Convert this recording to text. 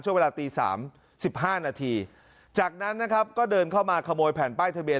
เวลาตี๓๑๕นาทีจากนั้นนะครับก็เดินเข้ามาขโมยแผ่นป้ายทะเบีย